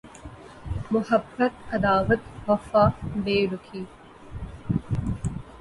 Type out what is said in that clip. Muhabbat Adawat Wafa Berukhi